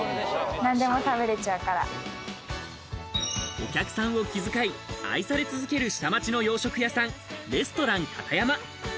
お客さんを気遣い、愛され続ける下町の洋食屋さん、レストランカタヤマ。